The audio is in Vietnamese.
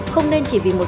không nên chỉ vì một lúc